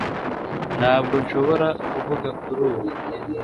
Ntabwo nshobora kuvuga kuri ubu